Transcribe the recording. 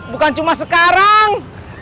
bukan cuma sekarang